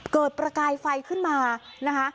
ประกายไฟขึ้นมานะคะ